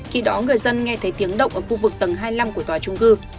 khi đó người dân nghe thấy tiếng động ở khu vực tầng hai mươi năm của tòa trung cư